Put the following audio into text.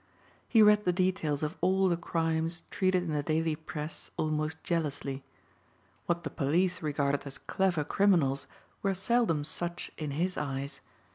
He read the details of all the crimes treated in the daily press almost jealously. What the police regarded as clever criminals were seldom such in his eyes.